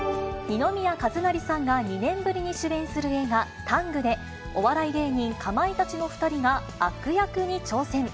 二宮和也さんが２年ぶりに主演する映画、タングで、お笑い芸人、かまいたちの２人が悪役に挑戦。